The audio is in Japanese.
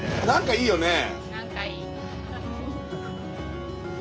いいよねえ。